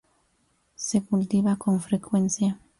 Se cultiva con frecuencia.